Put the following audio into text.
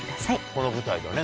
この舞台ではね